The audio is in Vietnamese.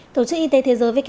tổ chức y tế thế giới vk